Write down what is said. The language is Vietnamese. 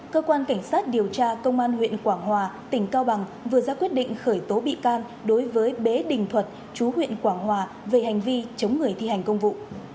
cơ quan cảnh sát điều tra công an huyện quảng hòa tỉnh cao bằng vừa ra quyết định khởi tố bị can đối với bế đình thuật chú huyện quảng hòa về hành vi chống người thi hành công vụ